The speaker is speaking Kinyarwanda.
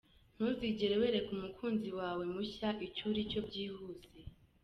Ntuzigere wereka umukunzi wawe mushya icyo uricyo byihuse.